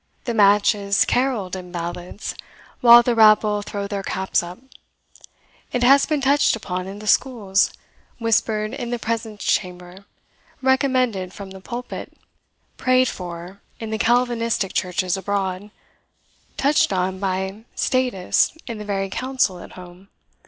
The match is carolled in ballads, while the rabble throw their caps up. It has been touched upon in the schools whispered in the presence chamber recommended from the pulpit prayed for in the Calvinistic churches abroad touched on by statists in the very council at home.